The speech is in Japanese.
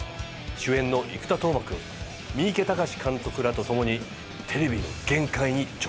主演の生田斗真君三池崇史監督らとともにテレビの限界に挑戦しています。